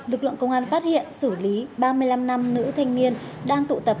lực lượng công an phát hiện xử lý ba mươi năm nam nữ thanh niên đang tụ tập